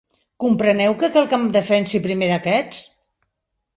Compreneu que cal que em defensi primer d'aquests?